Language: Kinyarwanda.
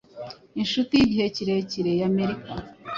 inshuti y'igihe kirekire ya Amerika,